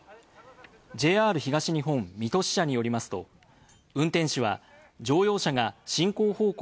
ＪＲ東日本水戸支社によりますと運転士は乗用車が進行方向